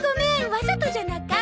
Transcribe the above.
わざとじゃなか！